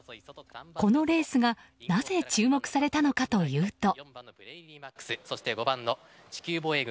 このレースがなぜ注目されたのかというと。